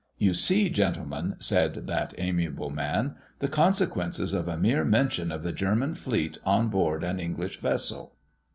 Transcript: "You see, gentlemen," said that amiable man, "the consequences of a mere mention of the German fleet on board an English vessel."